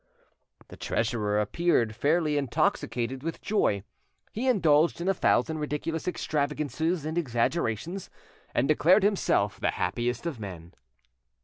The treasurer appeared fairly intoxicated with joy. He indulged in a thousand ridiculous extravagances and exaggerations, and declared himself the happiest of men.